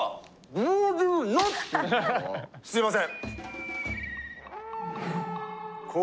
あのすいません